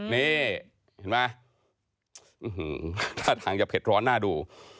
นี่เห็นไหมท่าทางจะเผ็ดร้อนน่าดู